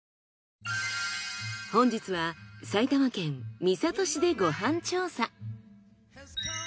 本日は埼玉県三郷市でご飯調査。